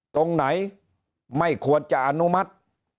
ตรงไหนไม่ควรจะอนุมัติ